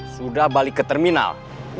sudah balik ke terminal